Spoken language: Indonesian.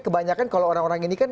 kebanyakan kalau orang orang ini kan